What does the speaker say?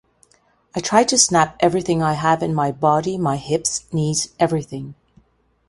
I try to snap everything I have in my body-my hips, knees, everything.